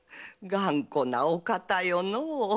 頑固なお方よのう。